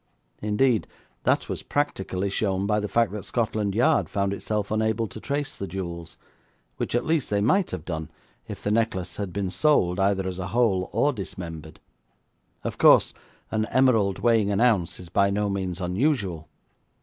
Indeed that was practically shown by the fact that Scotland Yard found itself unable to trace the jewels, which at least they might have done if the necklace had been sold either as a whole or dismembered. Of course, an emerald weighing an ounce is by no means unusual.